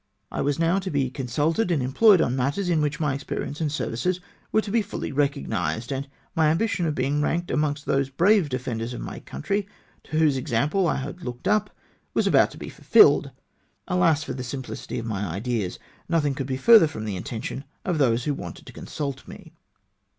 I was now to be con.sulted and employed on matters in which my experience and services were to be fully recognised, and my ambition of being ranked amongst those brave defenders of my country, to whose example I had looked up, was about to be fulfilled ! Alas, for the simplicity of my ideas ! Nothing could be further from the intention of those who wanted to considt me